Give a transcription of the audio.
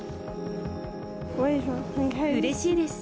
うれしいです。